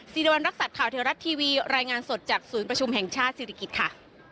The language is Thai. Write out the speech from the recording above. สิริวัติข่าวเทวรัฐทีวีรายงานสดจากศูนย์ประชุมแห่งชาติศิริกิจค่ะ